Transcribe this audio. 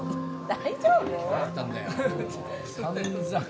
大丈夫？